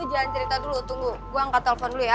lo jangan cerita dulu tunggu gue angkat telpon dulu ya